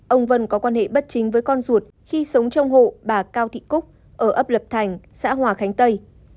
ông vân có quan hệ bất chính với con ruột khi sống trong hộ bà cao thị cúc ở ấp lập thành xã hòa khánh tây